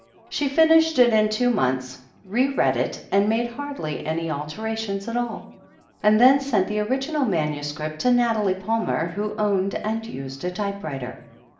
She finished it in two months, re read it and made hardly any alterations at all, and then sent the original manuscript to Nathalie Palmer, who owned and used a typewriter.